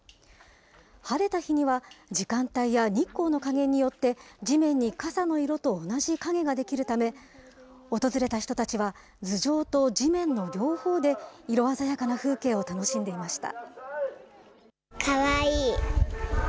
晴れた日には、時間帯や日光の加減によって、地面に傘の色と同じ影が出来るため、訪れた人たちは、頭上と地面の両方で色鮮やかな風景を楽しんでいました。